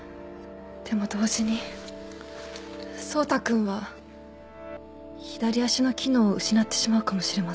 でも同時に走太君は左足の機能を失ってしまうかもしれません。